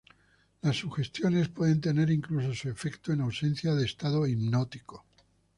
Las sugestiones, pueden tener incluso su efecto en ausencia de estado hipnótico.